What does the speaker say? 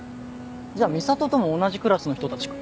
じゃあ美里とも同じクラスの人たちか。